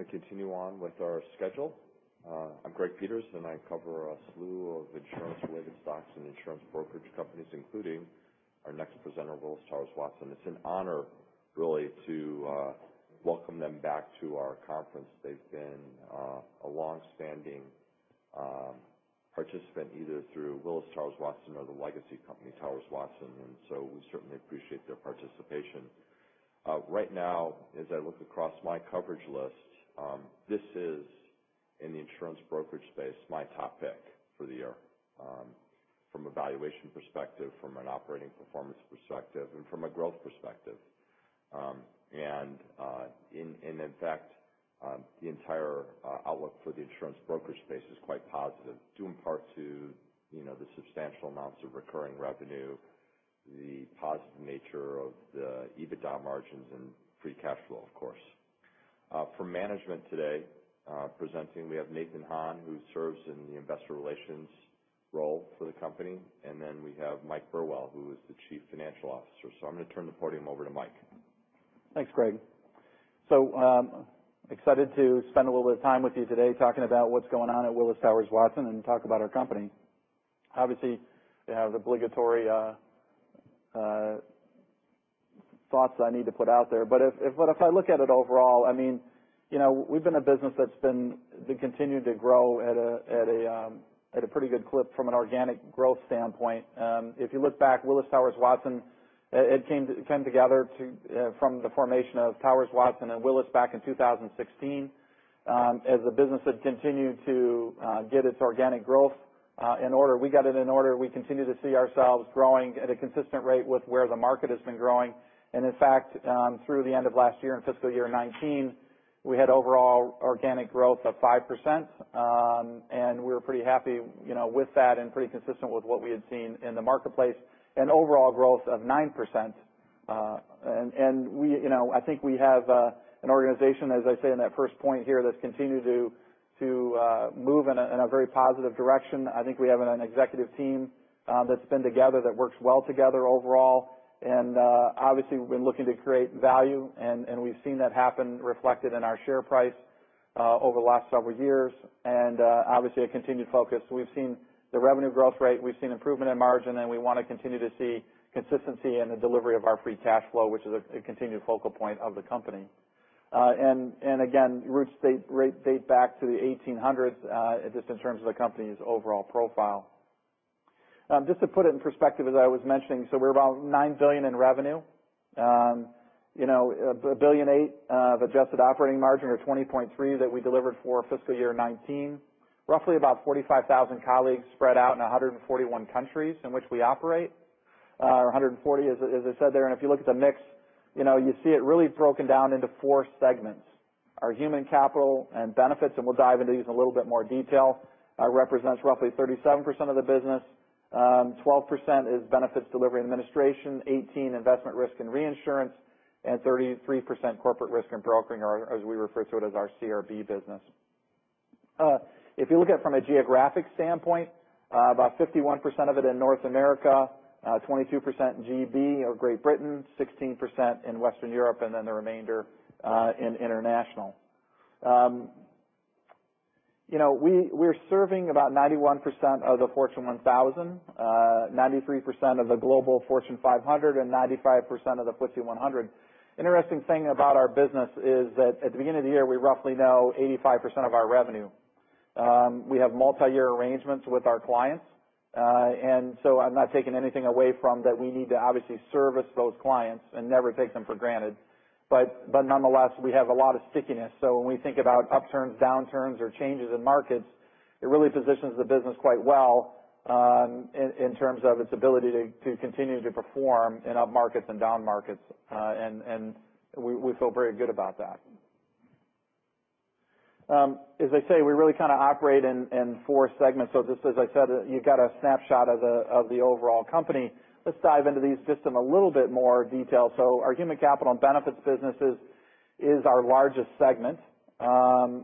Morning. We're going to continue on with our schedule. I'm Greg Peters, and I cover a slew of insurance-related stocks and insurance brokerage companies, including our next presenter, Willis Towers Watson. It's an honor, really, to welcome them back to our conference. They've been a longstanding participant, either through Willis Towers Watson or the legacy company, Towers Watson. We certainly appreciate their participation. Right now, as I look across my coverage list, this is, in the insurance brokerage space, my top pick for the year from a valuation perspective, from an operating performance perspective, and from a growth perspective. In fact, the entire outlook for the insurance brokerage space is quite positive due in part to the substantial amounts of recurring revenue, the positive nature of the EBITDA margins, and free cash flow, of course. From management today, presenting, we have Nathan Han, who serves in the investor relations role for the company, and then we have Mike Burwell, who is the chief financial officer. So I'm going to turn the podium over to Mike. Thanks, Greg. Excited to spend a little bit of time with you today talking about what's going on at Willis Towers Watson and talk about our company. Obviously, the obligatory thoughts I need to put out there. If I look at it overall, we've been a business that's continued to grow at a pretty good clip from an organic growth standpoint. If you look back, Willis Towers Watson, it came together from the formation of Towers Watson and Willis back in 2016. As a business that continued to get its organic growth in order. We got it in order. We continue to see ourselves growing at a consistent rate with where the market has been growing. In fact, through the end of last year, in fiscal year 2019, we had overall organic growth of 5%. We were pretty happy with that and pretty consistent with what we had seen in the marketplace, an overall growth of 9%. I think we have an organization, as I say in that first point here, that's continued to move in a very positive direction. I think we have an executive team that's been together, that works well together overall. Obviously, we've been looking to create value, and we've seen that happen reflected in our share price over the last several years. Obviously, a continued focus. We've seen the revenue growth rate, we've seen improvement in margin, and we want to continue to see consistency in the delivery of our free cash flow, which is a continued focal point of the company. Again, roots date back to the 1800s, just in terms of the company's overall profile. Just to put it in perspective, as I was mentioning, we're about $9 billion in revenue. $1.8 billion of adjusted operating margin, or 20.3%, that we delivered for fiscal year 2019. Roughly 45,000 colleagues spread out in 141 countries in which we operate, or 140, as I said there. If you look at the mix, you see it really broken down into four segments. Our Human Capital and Benefits, and we'll dive into these in a little bit more detail, represents roughly 37% of the business. 12% is Benefits Delivery and Administration, 18% Investment Risk and Reinsurance, and 33% Corporate Risk and Brokering, or as we refer to it, as our CRB business. If you look at it from a geographic standpoint, about 51% of it in North America, 22% in GB, or Great Britain, 16% in Western Europe, the remainder in international. We're serving about 91% of the Fortune 1000, 93% of the global Fortune 500, and 95% of the FTSE 100. Interesting thing about our business is that at the beginning of the year, we roughly know 85% of our revenue. We have multi-year arrangements with our clients. I'm not taking anything away from that we need to obviously service those clients and never take them for granted. Nonetheless, we have a lot of stickiness. When we think about upturns, downturns, or changes in markets, it really positions the business quite well in terms of its ability to continue to perform in up markets and down markets. We feel very good about that. As I say, we really operate in four segments. Just as I said, you got a snapshot of the overall company. Let's dive into these just in a little bit more detail. Our Human Capital and Benefits business is our largest segment.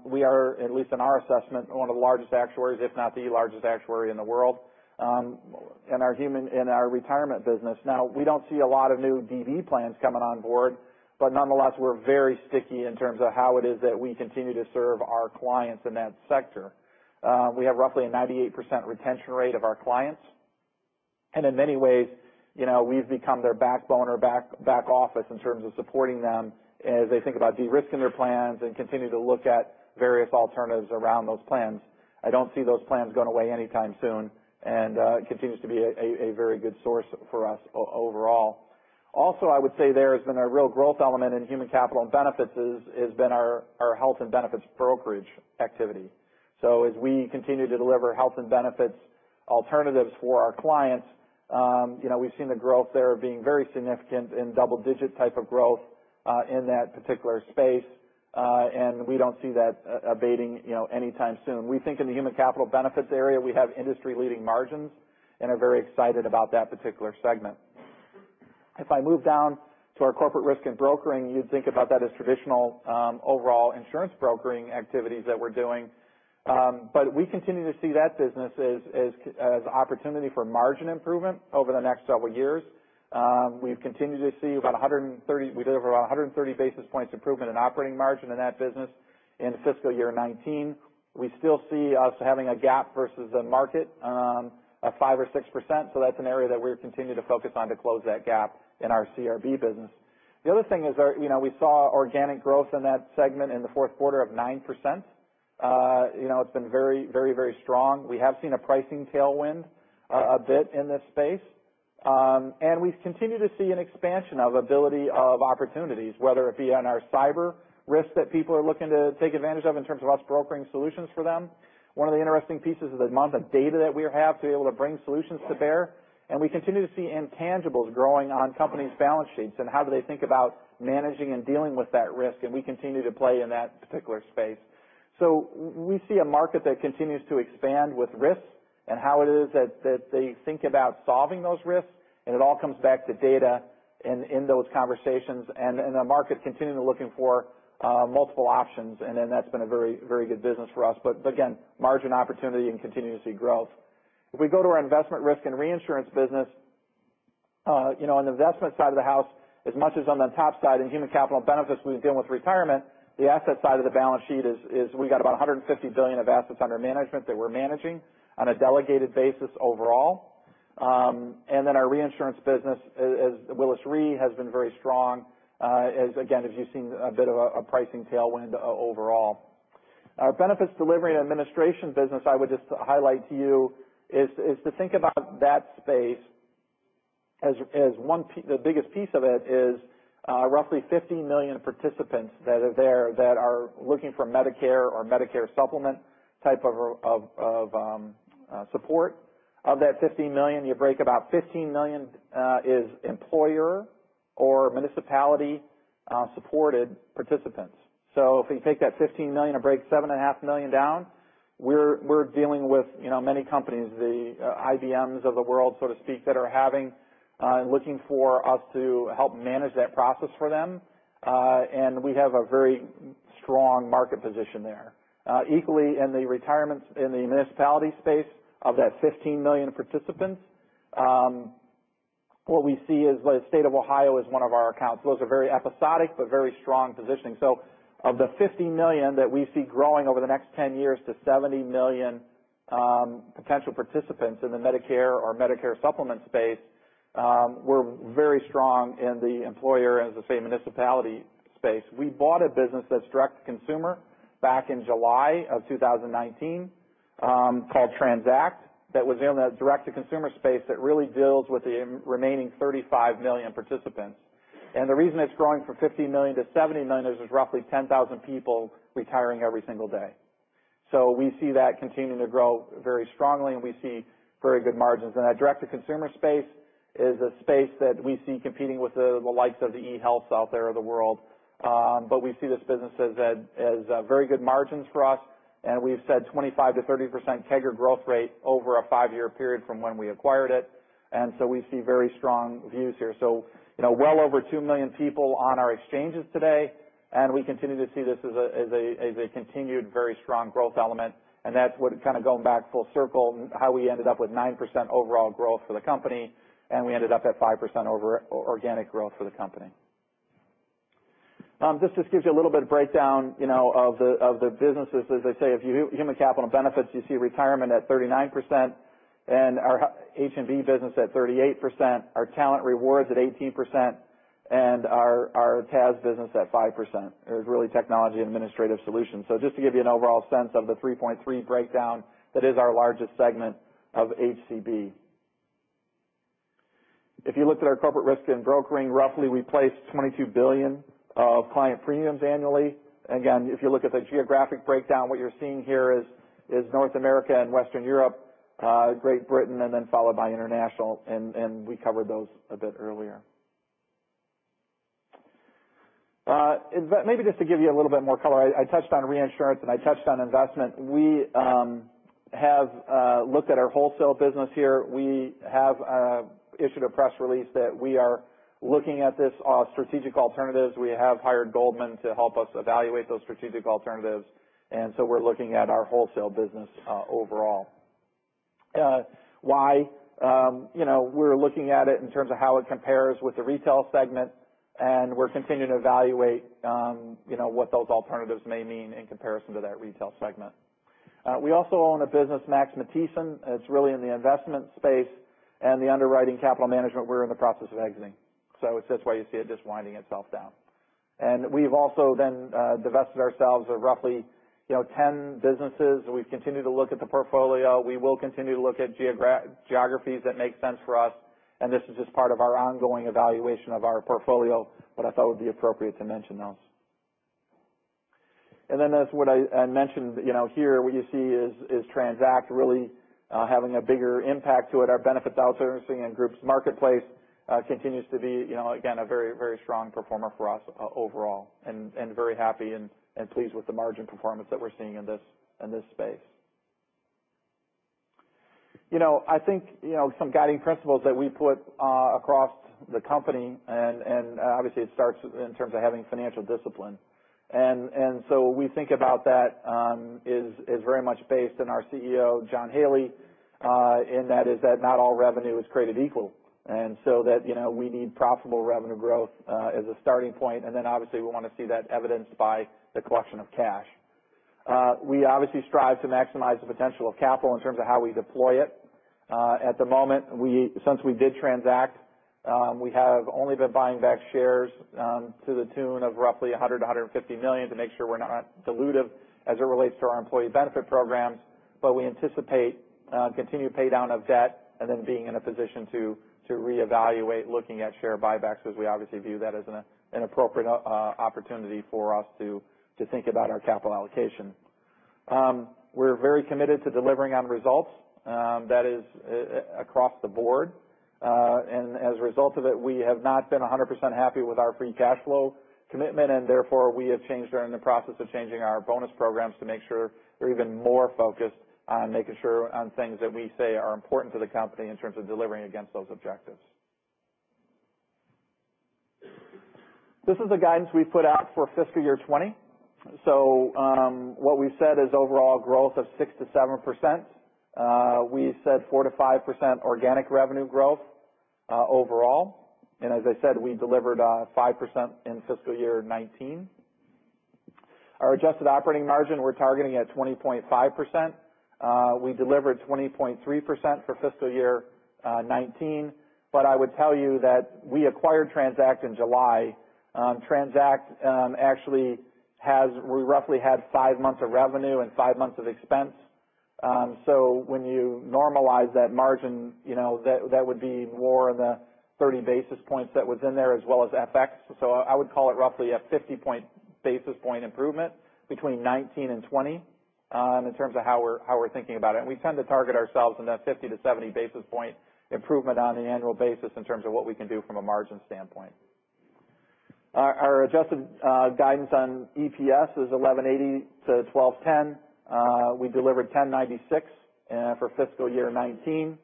We are, at least in our assessment, one of the largest actuaries, if not the largest actuary in the world in our retirement business. We don't see a lot of new DB plans coming on board, nonetheless, we're very sticky in terms of how it is that we continue to serve our clients in that sector. We have roughly a 98% retention rate of our clients. In many ways, we've become their backbone or back office in terms of supporting them as they think about de-risking their plans and continue to look at various alternatives around those plans. I don't see those plans going away anytime soon, and continues to be a very good source for us overall. Also, I would say there has been a real growth element in Human Capital and Benefits is been our health and benefits brokerage activity. As we continue to deliver health and benefits alternatives for our clients, we've seen the growth there being very significant in double-digit type of growth, in that particular space. We don't see that abating anytime soon. We think in the Human Capital and Benefits area, we have industry-leading margins and are very excited about that particular segment. If I move down to our Corporate Risk and Brokering, you'd think about that as traditional overall insurance brokering activities that we're doing. We continue to see that business as opportunity for margin improvement over the next several years. We've continued to see, we did over 130 basis points improvement in operating margin in that business in fiscal year 2019. We still see us having a gap versus the market of 5% or 6%, so that's an area that we're continuing to focus on to close that gap in our CRB business. The other thing is we saw organic growth in that segment in the fourth quarter of 9%. It's been very, very strong. We have seen a pricing tailwind a bit in this space. We've continued to see an expansion of ability of opportunities, whether it be on our cyber risks that people are looking to take advantage of in terms of us brokering solutions for them. One of the interesting pieces is the amount of data that we have to be able to bring solutions to bear. We continue to see intangibles growing on companies' balance sheets, and how do they think about managing and dealing with that risk, and we continue to play in that particular space. We see a market that continues to expand with risks and how it is that they think about solving those risks, and it all comes back to data in those conversations, and the market continuing looking for multiple options, that's been a very good business for us. Again, margin opportunity and continue to see growth. If we go to our investment risk and reinsurance business, on the investment side of the house, as much as on the top side in Human Capital and Benefits we deal with retirement, the asset side of the balance sheet is we got about $150 billion of assets under management that we're managing on a delegated basis overall. Our reinsurance business, Willis Re, has been very strong as, again, as you've seen a bit of a pricing tailwind overall. Our benefits delivery and administration business, I would just highlight to you, is to think about that space as the biggest piece of it is roughly 50 million participants that are there that are looking for Medicare or Medicare supplement type of support. Of that 50 million, you break about 15 million is employer or municipality-supported participants. If you take that 15 million and break seven and a half million down, we're dealing with many companies, the IBMs of the world, so to speak, that are having and looking for us to help manage that process for them. We have a very strong market position there. Equally, in the municipality space, of that 15 million participants, what we see is the state of Ohio is one of our accounts. Those are very episodic but very strong positioning. Of the 50 million that we see growing over the next 10 years to 70 million potential participants in the Medicare or Medicare supplement space, we're very strong in the employer, as I say, municipality space. We bought a business that's direct-to-consumer back in July of 2019 called TRANZACT that was in the direct-to-consumer space that really deals with the remaining 35 million participants. The reason it's growing from 50 million to 70 million is there's roughly 10,000 people retiring every single day. We see that continuing to grow very strongly, and we see very good margins. That direct-to-consumer space is a space that we see competing with the likes of the eHealths out there of the world. We see this business as very good margins for us, and we've said 25%-30% CAGR growth rate over a five-year period from when we acquired it. We see very strong views here. Well over 2 million people on our exchanges today, and we continue to see this as a continued very strong growth element. That's what, kind of going back full circle, how we ended up with 9% overall growth for the company, and we ended up at 5% organic growth for the company. This just gives you a little bit of breakdown of the businesses. As I say, if you do Human Capital and Benefits, you see retirement at 39%, and our H&B business at 38%, our Talent and Rewards at 18%, and our TAS business at 5%. It is really Technology and Administration Solutions. Just to give you an overall sense of the 3.3 breakdown, that is our largest segment of HCB. If you looked at our corporate risk and brokering, roughly we placed $22 billion of client premiums annually. Again, if you look at the geographic breakdown, what you're seeing here is North America and Western Europe, Great Britain, and then followed by international, and we covered those a bit earlier. Maybe just to give you a little bit more color, I touched on reinsurance and I touched on investment. We have looked at our wholesale business here. We have issued a press release that we are looking at this strategic alternatives. We have hired Goldman to help us evaluate those strategic alternatives. We're looking at our wholesale business overall. Why? We're looking at it in terms of how it compares with the retail segment, and we're continuing to evaluate what those alternatives may mean in comparison to that retail segment. We also own a business, Max Matthiessen. It's really in the investment space and the underwriting capital management we're in the process of exiting. It's just why you see it just winding itself down. We've also then divested ourselves of roughly 10 businesses. We've continued to look at the portfolio. We will continue to look at geographies that make sense for us, and this is just part of our ongoing evaluation of our portfolio, but I thought it would be appropriate to mention those. As what I mentioned here, what you see is TRANZACT really having a bigger impact to it. Our benefit outsource and groups marketplace continues to be, again, a very strong performer for us overall and very happy and pleased with the margin performance that we're seeing in this space. I think some guiding principles that we put across the company, obviously it starts in terms of having financial discipline. We think about that is very much based in our CEO, John Haley, in that is that not all revenue is created equal. That we need profitable revenue growth as a starting point, and then obviously we want to see that evidenced by the collection of cash. We obviously strive to maximize the potential of capital in terms of how we deploy it. At the moment, since we did TRANZACT, we have only been buying back shares to the tune of roughly $100 million-$150 million to make sure we're not dilutive as it relates to our employee benefit programs. We anticipate continued pay-down of debt and then being in a position to reevaluate looking at share buybacks, as we obviously view that as an appropriate opportunity for us to think about our capital allocation. We're very committed to delivering on results. That is across the board. As a result of it, we have not been 100% happy with our free cash flow commitment. Therefore, we have changed or are in the process of changing our bonus programs to make sure they're even more focused on making sure things that we say are important to the company in terms of delivering against those objectives. This is the guidance we put out for fiscal year 2020. What we've said is overall growth of 6%-7%. We said 4%-5% organic revenue growth overall. As I said, we delivered 5% in fiscal year 2019. Our adjusted operating margin, we're targeting at 20.5%. We delivered 20.3% for fiscal year 2019. I would tell you that we acquired TRANZACT in July. TRANZACT actually we roughly had five months of revenue and five months of expense. When you normalize that margin, that would be more the 30 basis points that was in there as well as FX. I would call it roughly a 50 basis point improvement between 2019 and 2020 in terms of how we're thinking about it. We tend to target ourselves in that 50-70 basis point improvement on an annual basis in terms of what we can do from a margin standpoint. Our adjusted guidance on EPS is $11.80-$12.10. We delivered $10.96 for fiscal year 2019.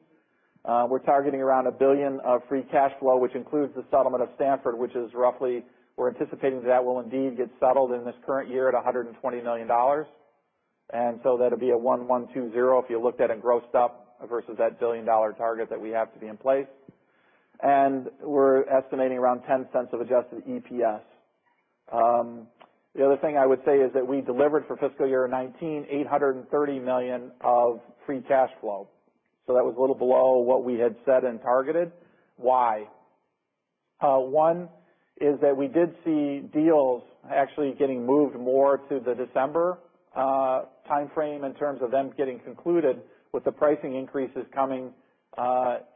We're targeting around $1 billion of free cash flow, which includes the settlement of Stanford, which is roughly, we're anticipating that will indeed get settled in this current year at $120 million. That'll be $1,120 if you looked at it grossed up versus that $1 billion target that we have to be in place. We're estimating around $0.10 of adjusted EPS. The other thing I would say is that we delivered for fiscal year 2019 $830 million of free cash flow. That was a little below what we had said and targeted. Why? One is that we did see deals actually getting moved more to the December timeframe in terms of them getting concluded with the pricing increases coming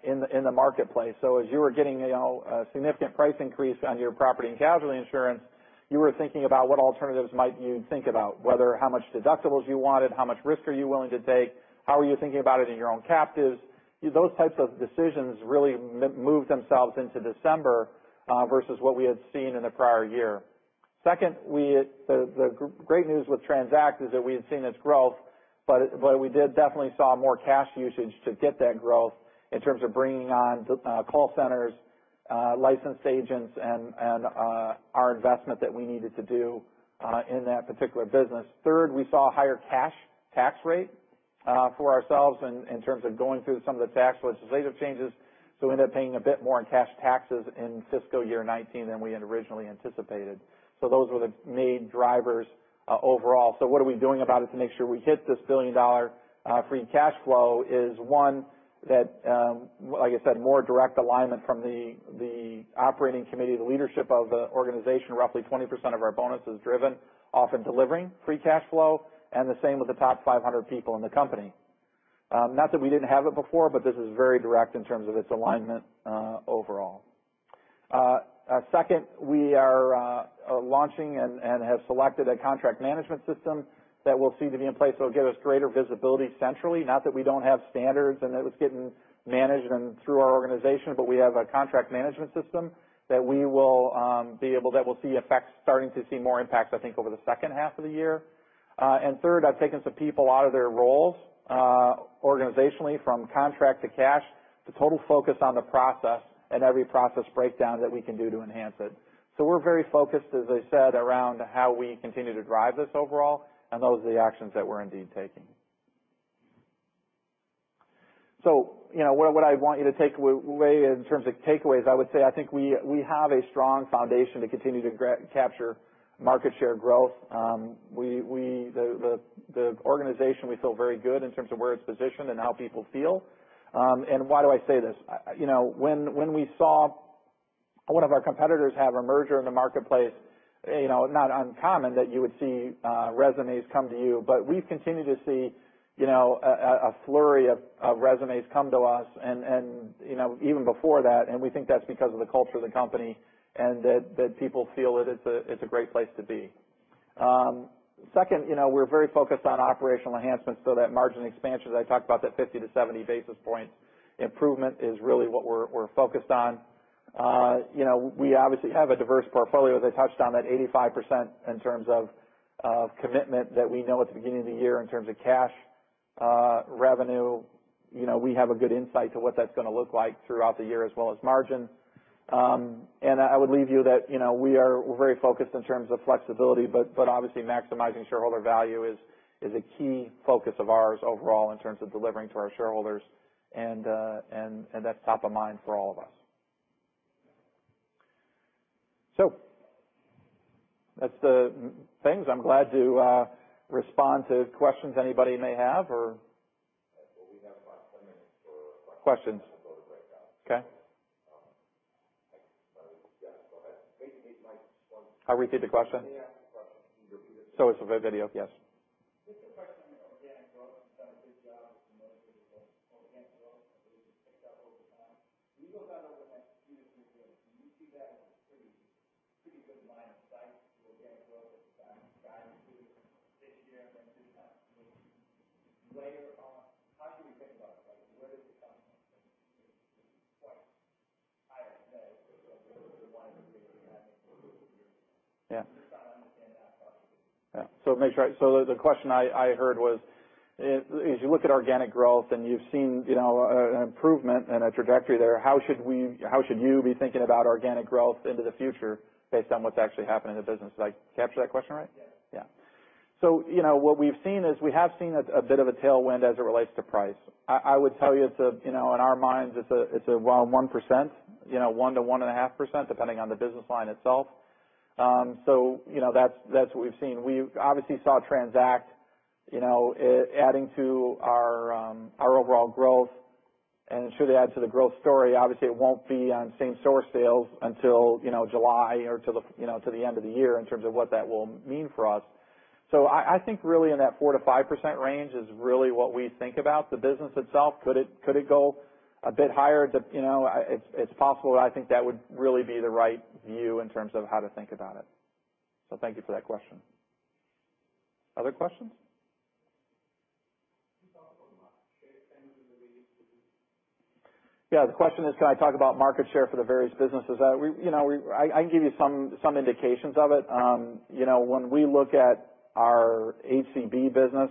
in the marketplace. As you were getting a significant price increase on your property and casualty insurance, you were thinking about what alternatives might you think about, whether how much deductibles you wanted, how much risk are you willing to take? How are you thinking about it in your own captives? Those types of decisions really moved themselves into December, versus what we had seen in the prior year. Second, the great news with TRANZACT is that we had seen this growth, but we definitely saw more cash usage to get that growth in terms of bringing on call centers, licensed agents, and our investment that we needed to do, in that particular business. Third, we saw a higher cash tax rate for ourselves in terms of going through some of the tax legislative changes. We ended up paying a bit more in cash taxes in fiscal year 2019 than we had originally anticipated. Those were the main drivers overall. What are we doing about it to make sure we hit this billion-dollar free cash flow is one, that, like I said, more direct alignment from the operating committee, the leadership of the organization. Roughly 20% of our bonus is driven off of delivering free cash flow, and the same with the top 500 people in the company. Not that we didn't have it before, but this is very direct in terms of its alignment overall. Second, we are launching and have selected a contract management system that will seem to be in place that will give us greater visibility centrally. Not that we don't have standards and it was getting managed and through our organization, but we have a contract management system that we'll see effects starting to see more impact, I think, over the second half of the year. Third, I've taken some people out of their roles organizationally from contract to cash to total focus on the process and every process breakdown that we can do to enhance it. We're very focused, as I said, around how we continue to drive this overall, and those are the actions that we're indeed taking. What I want you to take away in terms of takeaways, I would say, I think we have a strong foundation to continue to capture market share growth. The organization, we feel very good in terms of where it's positioned and how people feel. Why do I say this? When we saw one of our competitors have a merger in the marketplace, not uncommon that you would see resumes come to you. We've continued to see a flurry of resumes come to us even before that, and we think that's because of the culture of the company, and that people feel that it's a great place to be. Second, we're very focused on operational enhancements, so that margin expansion, as I talked about, that 50-70 basis point improvement is really what we're focused on. We obviously have a diverse portfolio, as I touched on, that 85% in terms of commitment that we know at the beginning of the year in terms of cash. Revenue, we have a good insight to what that's going to look like throughout the year, as well as margin. I would leave you that we are very focused in terms of flexibility, but obviously maximizing shareholder value is a key focus of ours overall in terms of delivering to our shareholders. That's top of mind for all of us. That's the things. I'm glad to respond to questions anybody may have or Well, we have about 10 minutes for questions. Questions Then we'll go to breakout. Okay. Yes, go ahead. How do I repeat the question? Can you repeat the question? It's for the video? Yes. That's what we've seen. We obviously saw TRANZACT adding to our overall growth and should add to the growth story. Obviously, it won't be on same-store sales until July or to the end of the year in terms of what that will mean for us. I think really in that 4%-5% range is really what we think about the business itself. Could it go a bit higher? It's possible. I think that would really be the right view in terms of how to think about it. Thank you for that question. Other questions? Can you talk about market share trends in the various businesses? Yeah. The question is, can I talk about market share for the various businesses? I can give you some indications of it. When we look at our HCB business,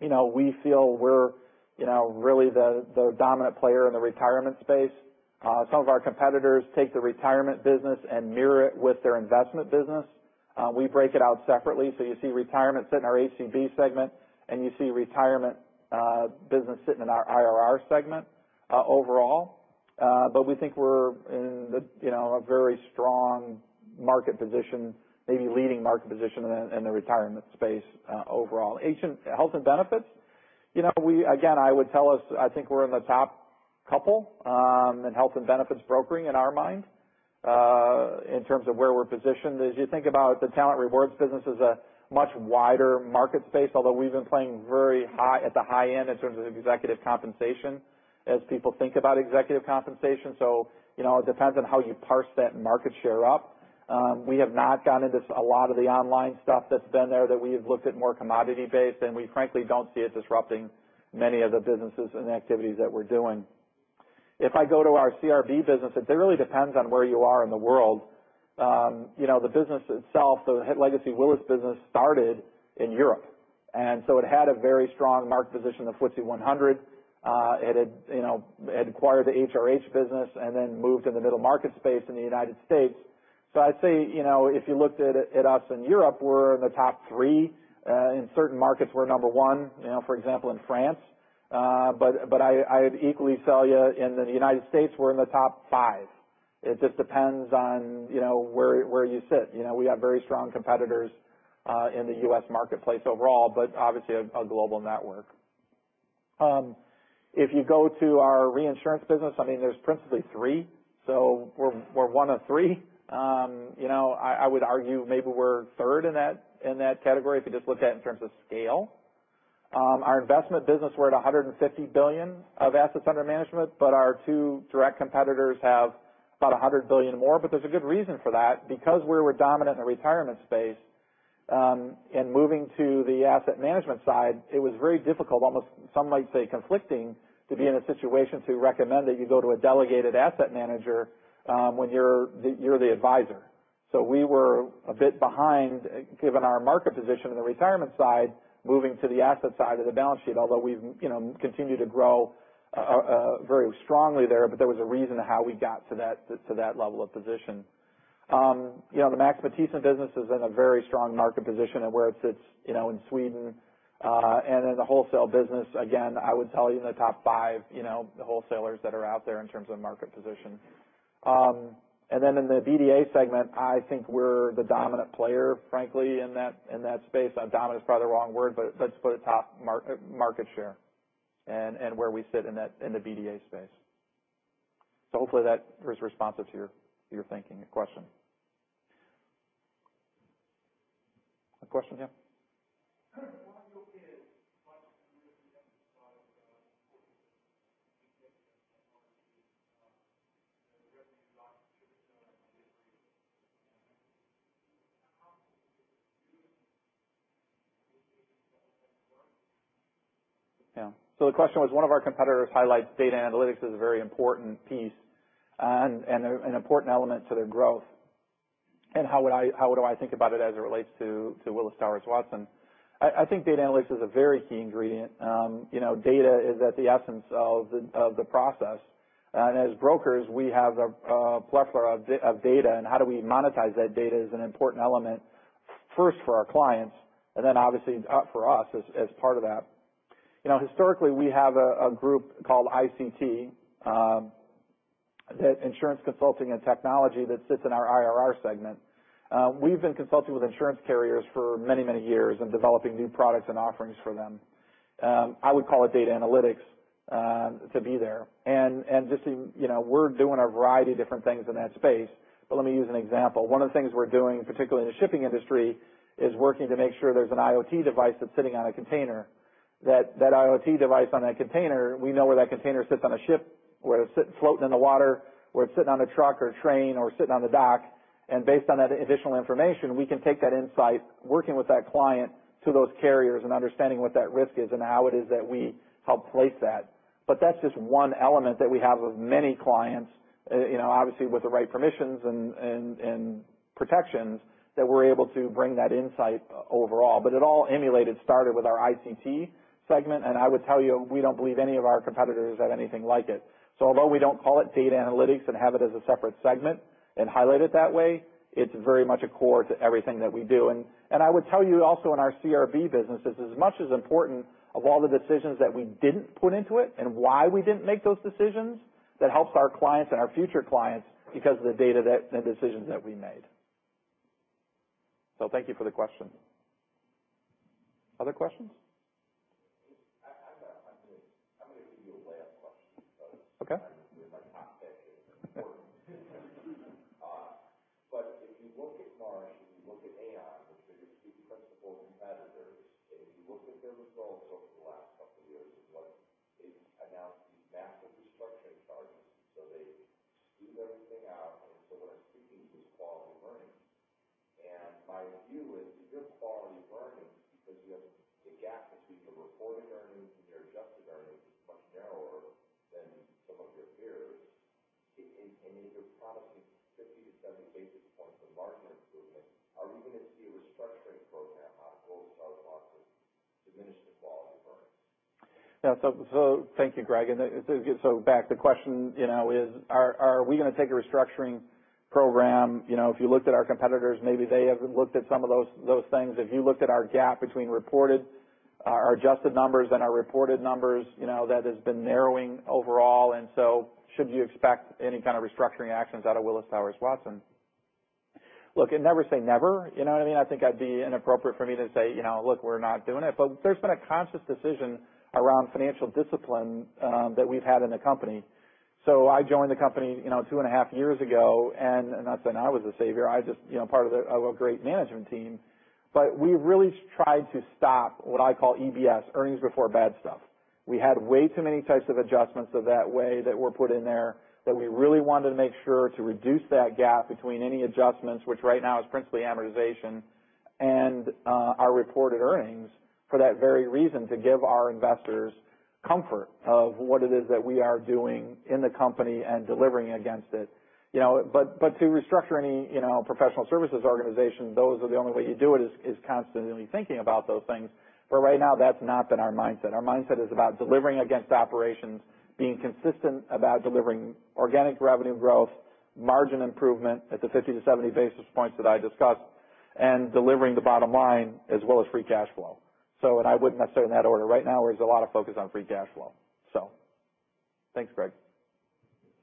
we feel we're really the dominant player in the retirement space. Some of our competitors take the retirement business and mirror it with their investment business. We break it out separately, so you see retirement sit in our HCB segment, and you see retirement business sitting in our IRR segment overall. We think we're in a very strong market position, maybe leading market position in the retirement space overall. Health and benefits, again, I would tell us, I think we're in the top couple, in health and benefits brokering, in our mind, in terms of where we're positioned. As you think about the Talent and Rewards business is a much wider market space, although we've been playing at the high end in terms of executive compensation as people think about executive compensation. It depends on how you parse that market share up. We have not gone into a lot of the online stuff that's been there, that we have looked at more commodity-based, and we frankly don't see it disrupting many of the businesses and the activities that we're doing. If I go to our CRB business, it really depends on where you are in the world. The business itself, the legacy Willis business started in Europe, it had a very strong market position in the FTSE 100. It had acquired the HRH business and then moved in the middle market space in the U.S. I'd say, if you looked at us in Europe, we're in the top three. In certain markets, we're number one, for example, in France. I'd equally tell you, in the U.S., we're in the top five. It just depends on where you sit. We have very strong competitors in the U.S. marketplace overall, obviously a global network. If you go to our reinsurance business, there's principally three, we're one of three. I would argue maybe we're third in that category if you just look at it in terms of scale. Our investment business, we're at $150 billion of assets under management, our two direct competitors have about $100 billion more, there's a good reason for that. Because we were dominant in the retirement space, and moving to the asset management side, it was very difficult, almost some might say conflicting, to be in a situation to recommend that you go to a delegated asset manager, when you're the advisor. We were a bit behind, given our market position in the retirement side, moving to the asset side of the balance sheet. Although we've continued to grow very strongly there was a reason to how we got to that level of position. The Max Matthiessen business is in a very strong market position of where it sits in Sweden. In the wholesale business, again, I would tell you in the top five wholesalers that are out there in terms of market position. In the BDA segment, I think we're the dominant player, frankly, in that space. Dominant is probably the wrong word, let's put a top market share and where we sit in the BDA space. Hopefully that is responsive to your thinking and question. A question, yeah? One of your peers, one of your competitors emphasized data and analytics as a very important piece and an important element to their growth. How do I think about it as it relates to Willis Towers Watson? I think data analytics is a very key ingredient. Data is at the essence of the process. As brokers, we have a plethora of data, and how do we monetize that data is an important element, first for our clients, and then obviously for us as part of that. Historically, we have a group called ICT, Insurance Consulting and Technology, that sits in our IRR segment. We've been consulting with insurance carriers for many, many years and developing new products and offerings for them. I would call it data analytics to be there. We're doing a variety of different things in that space. Let me use an example. One of the things we're doing, particularly in the shipping industry, is working to make sure there's an IoT device that's sitting on a container. That IoT device on that container, we know where that container sits on a ship, whether it's sitting floating in the water, or it's sitting on a truck or train or sitting on the dock, and based on that additional information, we can take that insight, working with that client to those carriers, and understanding what that risk is and how it is that we help place that. That's just one element that we have with many clients. Obviously, with the right permissions and protections, that we're able to bring that insight overall. It all emulated, started with our ICT segment, and I would tell you, we don't believe any of our competitors have anything like it. Although we don't call it data analytics and have it as a separate segment and highlight it that way, it's very much a core to everything that we do. I would tell you also in our CRB businesses, as much as important of all the decisions that we didn't put into it and why we didn't make those decisions, that helps our clients and our future clients because of the data that and the decisions that we made. Thank you for the question. Other questions? I'm going to give you a lay-up question. Okay. It might not fit in. If you look at Marsh and you look at Aon, which are your two principal competitors, and if you look at their results over the last couple of years, they've announced these massive restructuring charges. They smooth everything out. What are speaking to is quality earnings. My view is if your quality earnings, because you have the gap between your reported earnings and your adjusted earnings is much narrower than some of your peers, and you're promising 50 to 70 basis points of margin improvement, are we going to see a restructuring program out of Willis Towers Watson diminish the quality of earnings? Thank you, Greg. Back to question is, are we going to take a restructuring program? If you looked at our competitors, maybe they haven't looked at some of those things. If you looked at our gap between our adjusted numbers and our reported numbers, that has been narrowing overall. Should you expect any kind of restructuring actions out of Willis Towers Watson? Look, never say never. You know what I mean? I think that'd be inappropriate for me to say, "Look, we're not doing it." There's been a conscious decision around financial discipline that we've had in the company. I joined the company two and a half years ago, and not saying I was a savior, I was just part of a great management team. We really tried to stop what I call EBS, earnings before bad stuff. We had way too many types of adjustments of that way that were put in there that we really wanted to make sure to reduce that gap between any adjustments, which right now is principally amortization and our reported earnings, for that very reason, to give our investors comfort of what it is that we are doing in the company and delivering against it. To restructure any professional services organization, those are the only way you do it is constantly thinking about those things. Right now, that's not been our mindset. Our mindset is about delivering against operations, being consistent about delivering organic revenue growth, margin improvement at the 50 to 70 basis points that I discussed, and delivering the bottom line as well as free cash flow. I would necessarily in that order. Right now, there's a lot of focus on free cash flow. Thanks, Greg.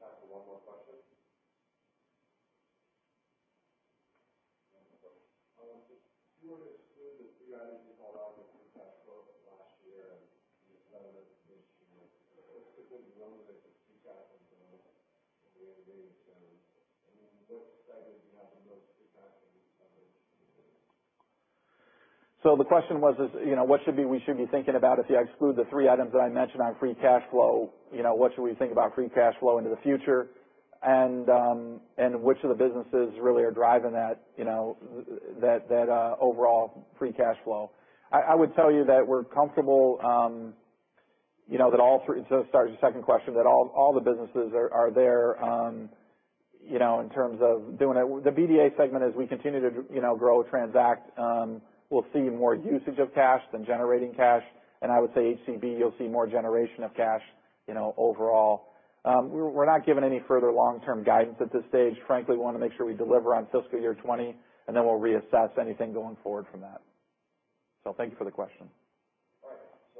Time for one more question. If you were to exclude the three items you called out in free cash flow from last year and this other information, specifically the ones that just keep happening at the end of the day. What segment do you have the most capacity to cover into the future? The question was, what should we be thinking about if you exclude the three items that I mentioned on free cash flow, what should we think about free cash flow into the future? Which of the businesses really are driving that overall free cash flow? I would tell you that we're comfortable that starting with your second question, that all the businesses are there in terms of doing it. The BDA segment, as we continue to grow TRANZACT, we'll see more usage of cash than generating cash. I would say HCB, you'll see more generation of cash overall. We're not giving any further long-term guidance at this stage. Frankly, we want to make sure we deliver on fiscal year 2020, we'll reassess anything going forward from that. Thank you for the question. All right.